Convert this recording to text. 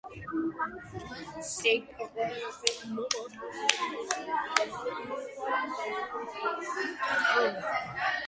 საბჭომ აგრეთვე გადაწყვიტა საჭიროების შემთხვევაში კვლავ მოეწყოთ შეხვედრა, რეზოლუციის ფარგლებში.